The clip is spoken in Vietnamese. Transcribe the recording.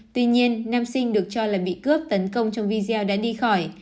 tuy nhiên nam sinh được cho là bị cướp tấn công trong video đã đi khỏi